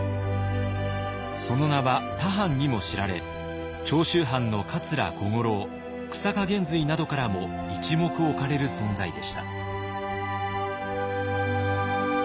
その名は他藩にも知られ長州藩の桂小五郎久坂玄瑞などからも一目置かれる存在でした。